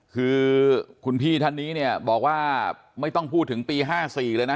คือคุณพี่ท่านนี้เนี่ยบอกว่าไม่ต้องพูดถึงปี๕๔เลยนะ